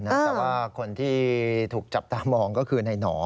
แต่ว่าคนที่ถูกจับตามองก็คือในหนอ